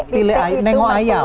tile nengok ayam